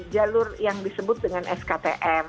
jalur yang disebut dengan sktm